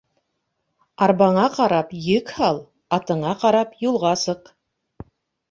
Арбаңа ҡарап йөк һал, атыңа ҡарап юлға сыҡ.